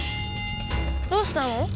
どうしたの？